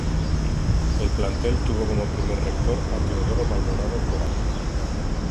El plantel tuvo como primer rector a Teodoro Maldonado Cora.